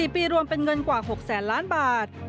๔ปีรวมเป็นเงินกว่า๖๐๐๐๐๐บาท